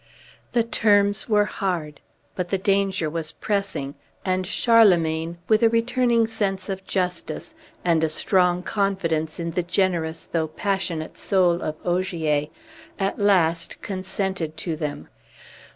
The terms were hard, but the danger was pressing, and Charlemagne, with a returning sense of justice, and a strong confidence in the generous though passionate soul of Ogier, at last consented to them.